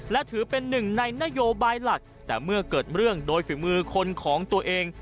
และถือเป็นหนึ่งในนโยบายหลักแต่เมื่อเกิดเรื่องโดยฝีมือคนของตัวเอง